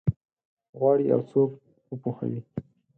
غواړي یو څوک وپوهوي؟